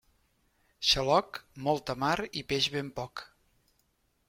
Xaloc, molta mar i peix ben poc.